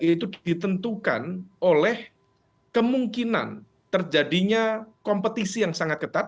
itu ditentukan oleh kemungkinan terjadinya kompetisi yang sangat ketat